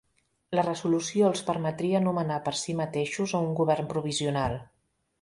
La resolució els permetria nomenar per si mateixos a un govern provisional.